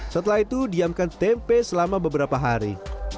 setelah itu diamkan tempe selama beberapa hari